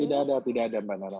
tidak ada tidak ada mbak nana